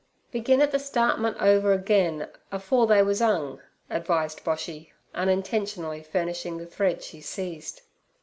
'Begin at the startment over again afore they was 'ung' advised Boshy, unintentionally furnishing the thread she seized.